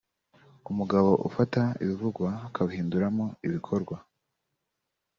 umugabo ufata ibivugwa akabihinduramo ibikorwa